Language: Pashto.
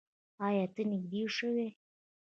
ایا؛ ته تږی شوی یې؟